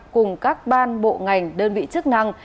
cùng các ban bộ ngành đơn vị chức năng